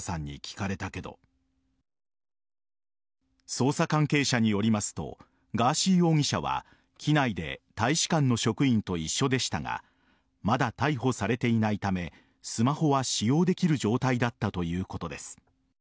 捜査関係者によりますとガーシー容疑者は機内で大使館の職員と一緒でしたがまだ逮捕されていないためスマホは使用できる状態だったということです。